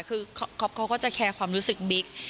คือก๊อปเขาก็จะแคร์ความรู้สึกบิ๊ก